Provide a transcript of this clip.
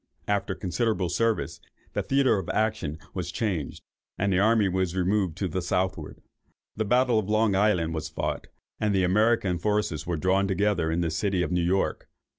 After considerable service, the theatre of action was changed, and the army was removed to the southward. The battle of Long Island was fought, and the American forces were drawn together in the city of New York.